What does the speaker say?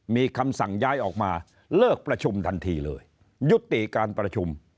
มีคำสั่งย้ายออกมาเลิกประชุมทันทีเลยยุติการประชุม